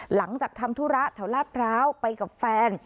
หลังจากทำธุระแถวลาดพร้าวไปกับแฟน